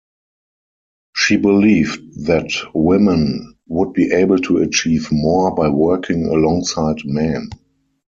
She believed that women would be able to achieve more by working alongside men.